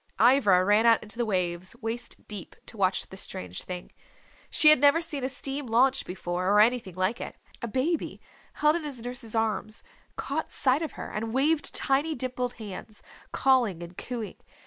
Ivra ran out into the waves waist deep to watch the strange thing. She had never seen a steam launch before, or anything like it. A baby, held in his nurse's arms, caught sight of her and waved tiny dimpled hands, calling and cooing.